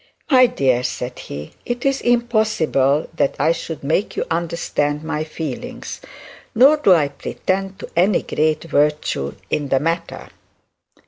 'My dear,' said he, 'it is impossible that I should make you understand my feelings, nor do I pretend to any great virtue in the matter.